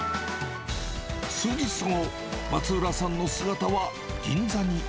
数日後、松浦さんの姿は銀座に。